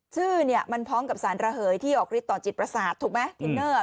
ชื่อนี่มันพร้อมกับสารระเหยที่ออกริดต่อจิตประสาทถูกไหม